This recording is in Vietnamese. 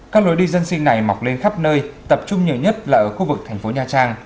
các lối đi dân sinh này mọc lên khắp nơi tập trung nhiều nhất là ở khu vực thành phố nha trang